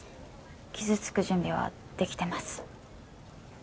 傷つく準備はできてます